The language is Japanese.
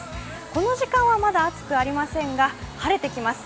この時間はまだ暑くありませんが晴れてきます。